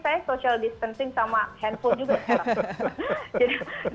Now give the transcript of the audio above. saya social distancing sama handphone juga sekarang